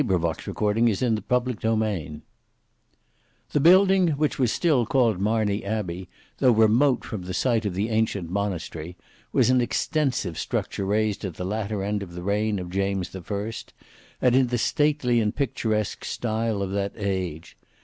END OF THE FIRST BOOK BOOK II Book 2 Chapter 1 The building which was still called MARNEY ABBEY, though remote from the site of the ancient monastery, was an extensive structure raised at the latter end of the reign of James the First, and in the stately and picturesque style of that age.